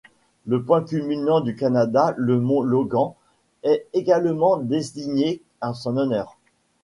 Le point culminant du Canada, le mont Logan, est également désigné en son honneur.